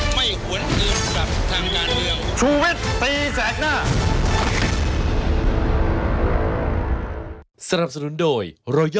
ไม่หวนอื่นกับทางงานเรียว